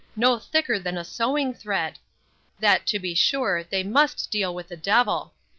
no thicker than a sewing thread; that, to be sure, they must deal with the devil!